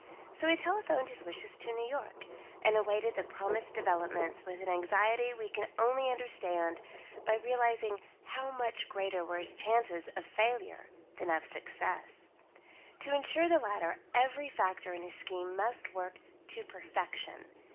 So he telephoned his wishes to New York, and awaited the promised developments with an anxiety we can only understand by realising how much greater were his chances of failure than of success. To ensure the latter, every factor in his scheme must work to perfection.